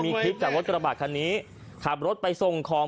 อาหารที่จัดรถกระบาดคันนี้ขับรถไปส่งของ